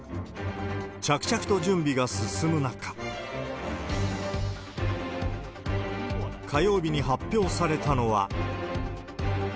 着々と準備が進む中、火曜日に発表されたのは。